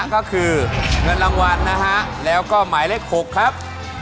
ก็คือเงินรางวัลนะฮะแล้วก็หมายเลข๖ครับ